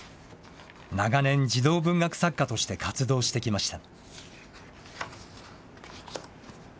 長年、児童文学作家として活動してきました。